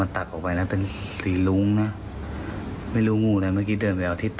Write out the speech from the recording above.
โอ้โหไม่ต้องตีว่ามันเป็นเลขอะไร